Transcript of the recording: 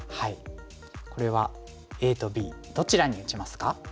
これはＡとＢどちらに打ちますか？